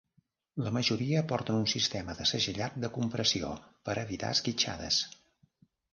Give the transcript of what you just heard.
La majoria porten un sistema de segellat de compressió per evitar esquitxades.